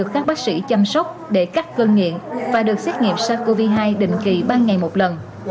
các bác sĩ chăm sóc để cắt cơn nghiện và được xét nghiệm sars cov hai định kỳ ba ngày một lần